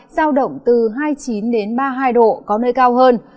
giao động từ hai mươi chín đến ba mươi hai độ có nơi cao hơn